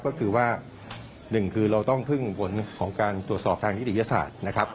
ก็คือว่าหนึ่งคือเราต้องพึ่งผลของการตรวจสอบทางนิติวิทยาศาสตร์นะครับ